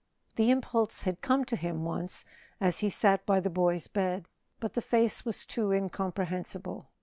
The impulse had come to him, once, as he sat by the boy's bed; but the face was too incomprehensible.